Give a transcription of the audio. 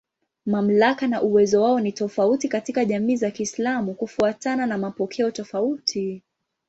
Mamlaka na uwezo wao ni tofauti katika jamii za Kiislamu kufuatana na mapokeo tofauti.